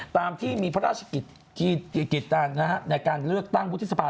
ตามที่มีพระราชกิจในการเลือกตั้งวุฒิสภา